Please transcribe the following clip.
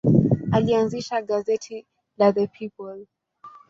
Alianzisha gazeti la The People.